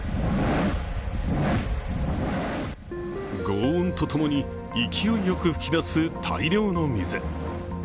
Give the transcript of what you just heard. ごう音とともに、勢いよく噴き出す大量の水。